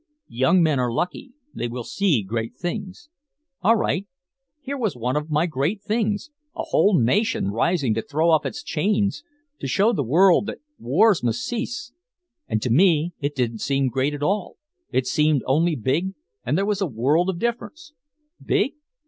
"Young men are lucky. They will see great things." All right, here was one of my great things, a whole nation rising to throw off its chains, to show the world that wars must cease and to me it didn't seem great at all, it seemed only big, and there was a world of difference. Big?